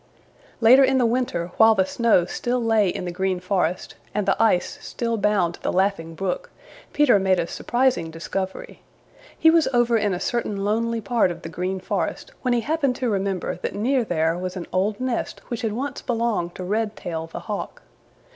Later in the winter while the snow still lay in the Green Forest, and the ice still bound the Laughing Brook, Peter made a surprising discovery. He was over in a certain lonely part of the Green Forest when he happened to remember that near there was an old nest which had once belonged to Redtail the Hawk.